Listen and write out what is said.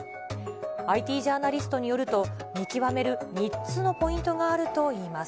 ＩＴジャーナリストによると、見極める３つのポイントがあるといいます。